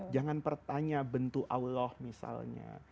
jangan pertanya bentuk allah misalnya